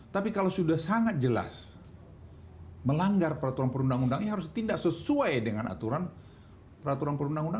tapi kalau sudah sangat jelas melanggar peraturan perundang undangnya harus ditindak sesuai dengan aturan peraturan perundang undangan